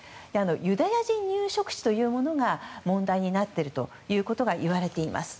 ユダヤ人入植地というのが問題になっているといわれています。